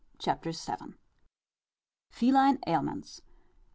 CHAPTER VII. FELINE AILMENTS.